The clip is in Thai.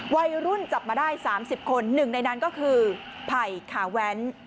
วัยรุ่นจับมาได้๓๐คนหนึ่งในนั้นก็คือไผ่ขาแว้น